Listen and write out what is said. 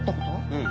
うん。